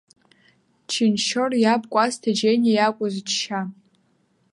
Чынчор иаб Кәасҭа Џьениа иакәыз џьшьа.